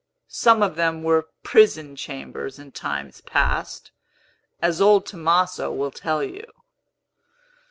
Some of them were prison chambers in times past, as old Tomaso will tell you."